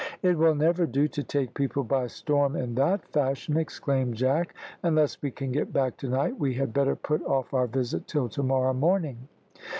"It will never do to take people by storm in that fashion," exclaimed Jack. "Unless we can get back to night we had better put off our visit till to morrow morning."